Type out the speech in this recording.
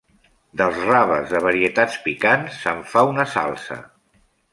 Dels raves de varietats picants se'n fa una salsa.